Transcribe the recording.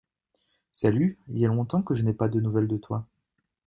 Salut, il y a longtemps que je n'ai pas de nouvelles de toi.